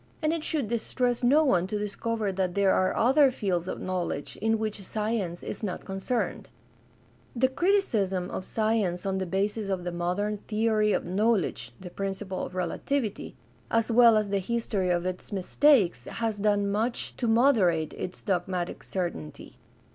And it should distress no one to discover that there are other fields of knowledge in which science is not concerned {Limitations of Science, p. 260J. The criticism of science on the basis of the modern theory of knowledge — the principle of relativity — as well as the history of its mistakes has done much to moderate its dog matic certainty.